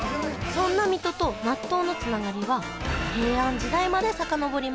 そんな水戸と納豆のつながりは平安時代までさかのぼります